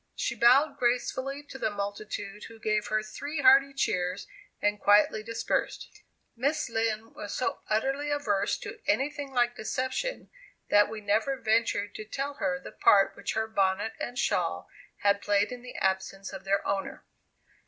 She bowed gracefully to the multitude, who gave her three hearty cheers and quietly dispersed. Miss Lind was so utterly averse to any thing like deception, that we never ventured to tell her the part which her bonnet and shawl had played in the absence of their owner.